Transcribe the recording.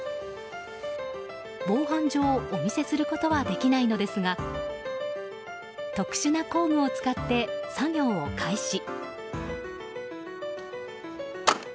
防犯上、お見せすることはできないのですが特殊な工具を使って作業を開始。